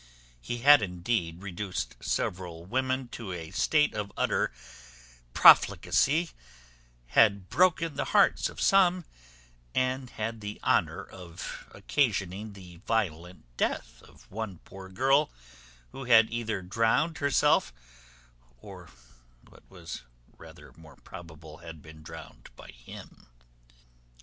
He had, indeed, reduced several women to a state of utter profligacy, had broke the hearts of some, and had the honour of occasioning the violent death of one poor girl, who had either drowned herself, or, what was rather more probable, had been drowned by him.